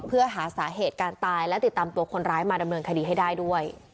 เพื่อหาสาเหตุการตายและติดตามตัวคนร้ายมาดำเนินคดีให้ได้ด้วย